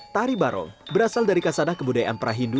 tari barong berasal dari kasadah kebudayaan prahindu